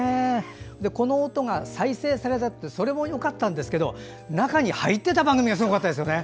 この音が再生されたってそれもよかったんですけど中に入っていた番組がすごかったですよね。